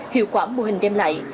hiệu quả mô hình đem lại